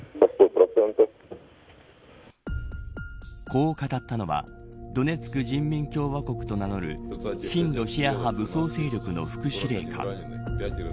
こう語ったのはドネツク人民共和国と名乗る親ロシア派武装勢力の副司令官。